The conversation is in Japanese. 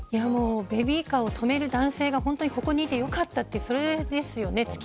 ベビーカーを止める男性がここにいてよかったとそれですよね。